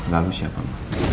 lalu siapa ma